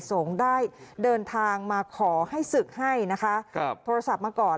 สงฆ์ได้เดินทางมาขอให้ศึกให้นะคะครับโทรศัพท์มาก่อน